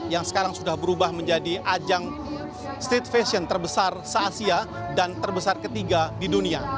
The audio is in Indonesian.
yang sekarang sudah berubah menjadi ajang street fashion terbesar se asia dan terbesar ketiga di dunia